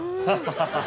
ハハハハハ。